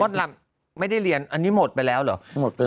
ลำไม่ได้เรียนอันนี้หมดไปแล้วเหรอ